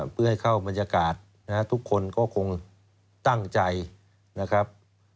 เพื่อให้เข้าบรรยากาศทุกคนก็คงตั้งใจนะครับ